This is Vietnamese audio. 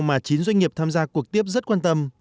mà chín doanh nghiệp tham gia cuộc tiếp rất quan tâm